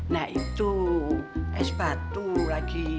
nah itu es batu lagi